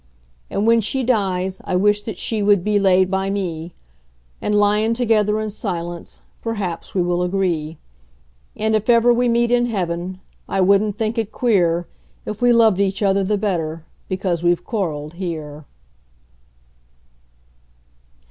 And when she dies I wish that she would be laid by me, And, lyin' together in silence, perhaps we will agree; And, if ever we meet in heaven, I wouldn't think it queer If we loved each other the better because we quarreled here.